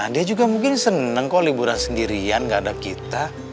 dia juga mungkin senang kok liburan sendirian gak ada kita